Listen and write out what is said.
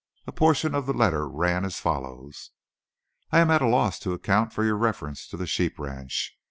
A portion of the letter ran as follows: "I am at a loss to account for your references to the sheep ranch.